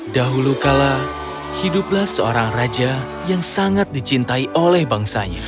dahulu kala hiduplah seorang raja yang sangat dicintai oleh bangsanya